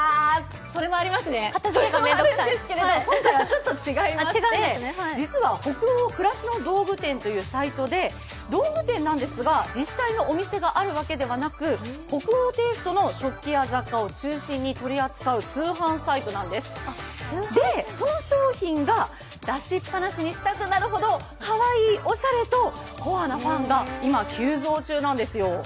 それもありますね、それもありますが、今回はちょっと違いまして、実は「北欧、暮らしの道具店」というサイトで実際のお店があるわけではなく北欧テイストの食器や雑貨を中心に鳥使う通販サイトなんです、その商品が出しっぱなしにしたくなるほどかわいい、おしゃれとコアなファンが今急増中なんですよ。